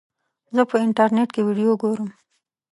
زه په انټرنیټ کې ویډیو ګورم.